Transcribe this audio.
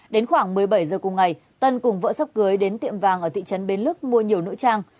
đến khoảng một mươi bảy giờ cùng ngày tân cùng vợ sắp cưới đến tiệm vàng ở thị trấn bến lức mua nhiều nữ trang